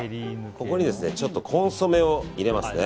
ここにコンソメを入れますね。